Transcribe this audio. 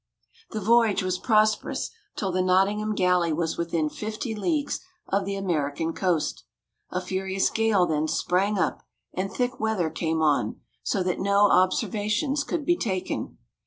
The voyage was prosperous till the "Nottingham Galley" was within fifty leagues of the American coast. A furious gale then sprang up, and thick weather came on, so that no observations could be taken.